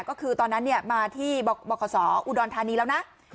ก็คือตอนนั้นมาที่บขอุดรธานีแล้วนะ